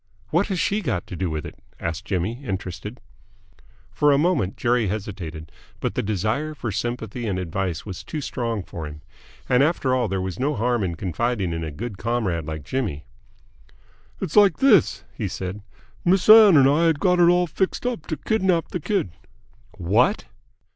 "What has she got to do with it?" asked Jimmy, interested. For a moment Jerry hesitated, but the desire for sympathy and advice was too strong for him. And after all there was no harm in confiding in a good comrade like Jimmy. "It's like this," he said. "Miss Ann and me had got it all fixed up to kidnap the kid!" "What!"